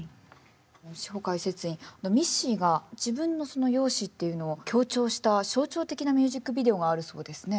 シホかいせついんミッシーが自分のその容姿っていうのを強調した象徴的なミュージックビデオがあるそうですね。